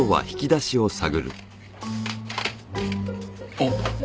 あっ。